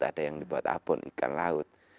ada yang dibuat abon ikan laut